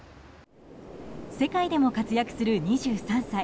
世界でも活躍する２３歳。